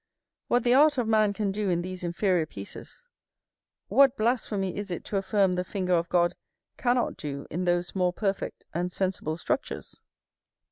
What the art of man can do in these inferior pieces, what blasphemy is it to affirm the finger of God cannot do in those more perfect and sensible structures?